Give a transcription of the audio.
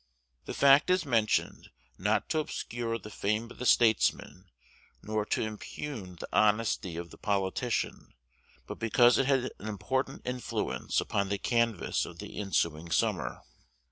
The fact is mentioned, not to obscure the fame of the statesman, nor to impugn the honesty of the politician, but because it had an important influence upon the canvass of the ensuing summer.